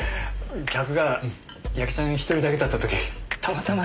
客が矢木ちゃん１人だけだった時たまたま。